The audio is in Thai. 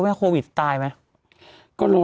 แบบอีคุณ